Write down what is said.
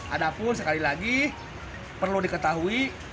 adapun sekali lagi perlu diketahui